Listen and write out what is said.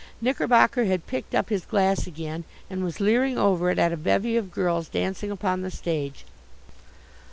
Knickerbocker had picked up his glass again and was leering over it at a bevy of girls dancing upon the stage.